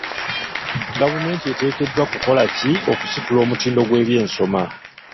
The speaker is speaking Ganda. Gavumenti eteekeddwa kukola ki okusitula omutindo gw'ebyensoma?